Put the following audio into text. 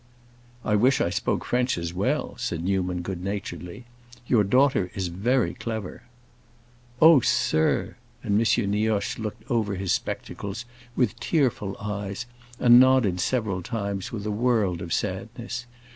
"I wish I spoke French as well," said Newman, good naturedly. "Your daughter is very clever." "Oh, sir!" and M. Nioche looked over his spectacles with tearful eyes and nodded several times with a world of sadness.